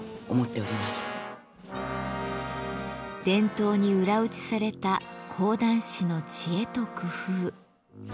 伝統に裏打ちされた講談師の知恵と工夫。